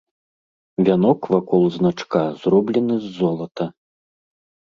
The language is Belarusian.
Вянок вакол значка зроблены з золата.